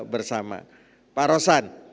bersama pak rosan